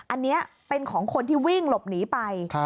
อันนี้เป็นของคนที่วิ่งหลบหนีไป